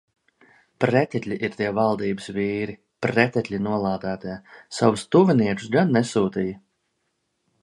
Pretekļi ir tie valdības vīri, pretekļi nolādētie. Savus tuviniekus gan nesūtīja.